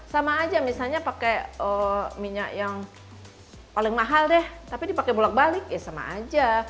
sama aja misalnya pakai minyak yang paling mahal deh tapi dipakai bolak balik ya sama aja